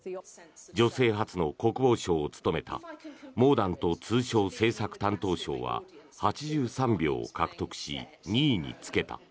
女性初の国防相を務めたモーダント通商政策担当相は８３票を獲得し、２位につけた。